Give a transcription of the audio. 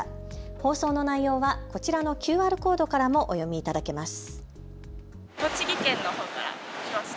放送の内容はこちらのＱＲコードからもお読みいただけます。